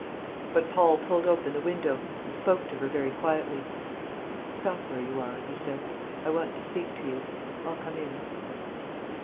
But Paul pulled open the window, and spoke to her very quietly. "Stop where you are," he said; "I want to speak to you. I'll come in."